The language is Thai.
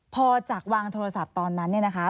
พอจากวางโทรศัพท์ตอนนั้นเนี่ยนะคะ